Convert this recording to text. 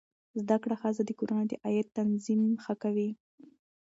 زده کړه ښځه د کورنۍ د عاید تنظیم ښه کوي.